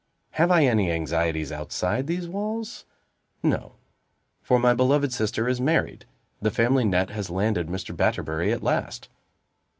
Have I any anxieties outside these walls? No: for my beloved sister is married the family net has landed Mr. Batterbury at last.